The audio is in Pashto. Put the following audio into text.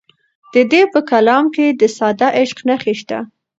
د ده په کلام کې د ساده عشق نښې شته.